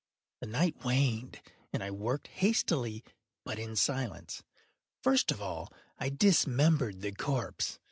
The night waned, and I worked hastily, but in silence. First of all I dismembered the corpse.